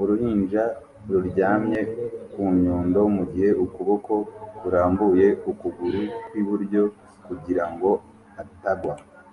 Uruhinja ruryamye ku nyundo mu gihe ukuboko kurambuye ukuguru kw'iburyo kugira ngo atagwa